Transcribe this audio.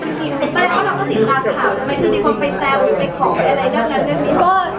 ไม่ใช่มีความไปแซวหรือไปขออะไรด้านนั้น